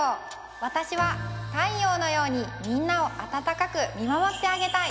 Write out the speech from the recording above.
わたしは太陽のようにみんなをあたたかくみまもってあげたい。